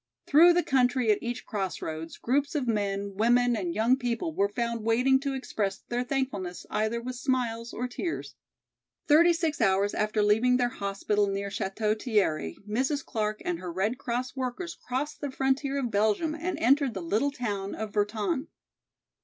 Through the country at each crossroads groups of men, women and young people were found waiting to express their thankfulness either with smiles or tears. Thirty six hours after leaving their hospital near Château Thierry, Mrs. Clark and her Red Cross workers crossed the frontier of Belgium and entered the little town of Virton.